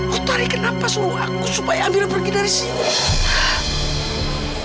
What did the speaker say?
putari kenapa suruh aku supaya amira pergi dari sini